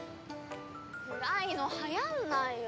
暗いの流行んないよ。